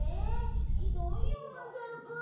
ひどいよまさるくん。